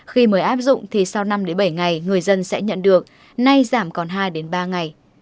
khi mới áp dụng thì sau năm bảy ngày người dân sẽ nhận được nay giảm còn hai ba ngày